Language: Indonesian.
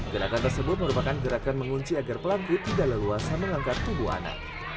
gerakan tersebut merupakan gerakan mengunci agar pelaku tidak leluasa mengangkat tubuh anak